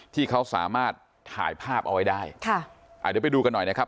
ที่เขาสามารถถ่ายภาพเอาไว้ได้ค่ะอ่าเดี๋ยวไปดูกันหน่อยนะครับ